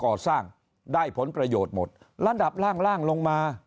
ก่อสร้างได้ผลประโยชน์หมดระดับล่างล่างลงมา